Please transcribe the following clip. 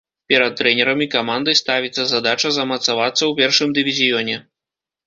Перад трэнерам і камандай ставіцца задача замацавацца ў першым дывізіёне.